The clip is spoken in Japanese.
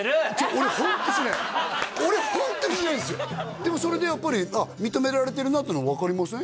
俺ホントしない俺ホントにしないんですよでもそれでやっぱり認められてるなっていうの分かりません？